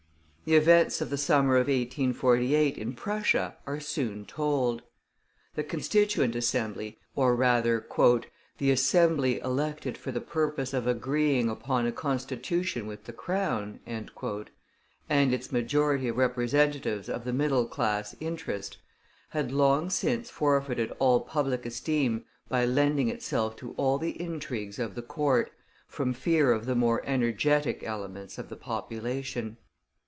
The events of the summer of 1848 in Prussia are soon told. The Constituent Assembly, or rather "the Assembly elected for the purpose of agreeing upon a Constitution with the Crown," and its majority of representatives of the middle class interest, had long since forfeited all public esteem by lending itself to all the intrigues of the Court, from fear of the more energetic elements of the population.